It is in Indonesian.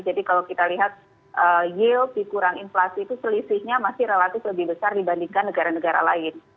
jadi kalau kita lihat yield dikurang inflasi itu selisihnya masih relatif lebih besar dibandingkan negara negara lain